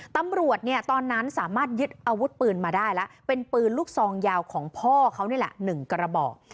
ตำรวจเนี่ยตอนนั้นสามารถยึดอาวุธปืนมาได้แล้วเป็นปืนลูกซองยาวของพ่อเขานี่แหละ๑กระบอก